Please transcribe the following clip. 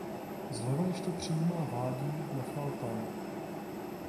Zleva ještě přijímá vádí Nachal Tan.